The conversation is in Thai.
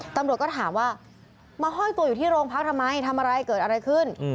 ตำรวจก็ถามว่ามาห้อยตัวอยู่ที่โรงพักทำไมทำอะไรเกิดอะไรขึ้น